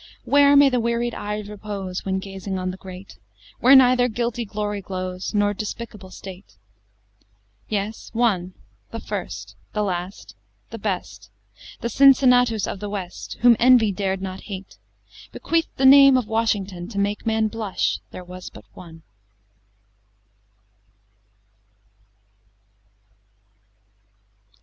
XIX Where may the wearied eye repose When gazing on the Great; Where neither guilty glory glows, Nor despicable state? Yes one the first the last the best The Cincinnatus of the West, Whom envy dared not hate, Bequeath'd the name of Washington, To make man blush there was but one!